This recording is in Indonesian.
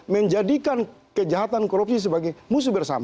menjadikan kejahatan korupsi sebagai musuh bersama